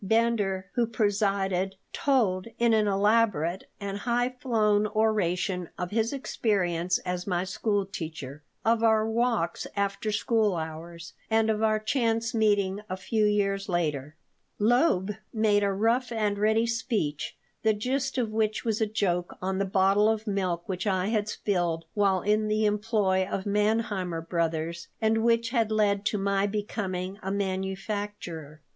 Bender, who presided, told, in an elaborate and high flown oration, of his experiences as my school teacher, of our walks after school hours, and of our chance meeting a few years later Loeb made a rough and ready speech, the gist of which was a joke on the bottle of milk which I had spilled while in the employ of Manheimer Brothers and which had led to my becoming a manufacturer.